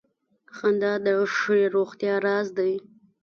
• خندا د ښې روغتیا راز دی.